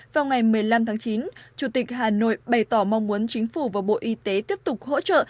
vào ngày một mươi năm tháng chín chủ tịch hà nội bày tỏ mong muốn chính phủ và bộ y tế tiếp tục hỗ trợ